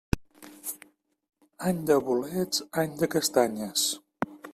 Any de bolets, any de castanyes.